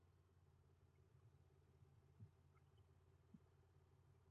The title song Don't Come Knocking was performed by Andrea Corr and Bono.